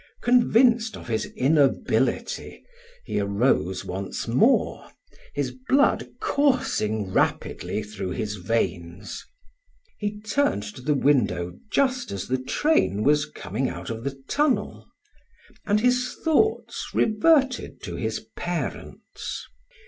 Convinced of his inability he arose once more, his blood coursing rapidly through his veins. He turned to the window just as the train was coming out of the tunnel, and his thoughts reverted to his parents.